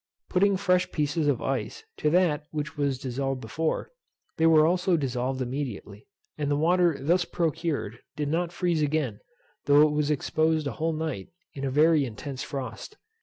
Putting fresh pieces of ice to that which was dissolved before, they were also dissolved immediately, and the water thus procured did not freeze again, though it was exposed a whole night, in a very intense frost.